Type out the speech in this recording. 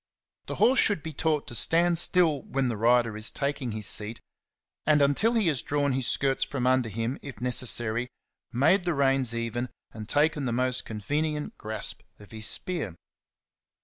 The horse should be taught to stand still when the rider is taking his seat, and until he has drawn his skirts from under him, if necessary, made the reins even, and taken the most convenient grasp of his spear.